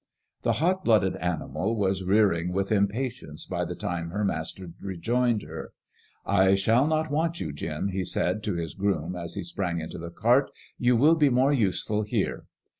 The hot blooded animal was rearing with impatience by the time her master rejoined her. " I shall not want you, Jim," he said to his groom, as he sprang into the cart. " You will be more useful here."